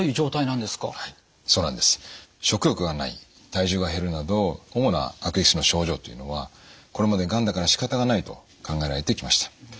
食欲がない体重が減るなど主な悪液質の症状というのはこれまで「がんだからしかたがない」と考えられてきました。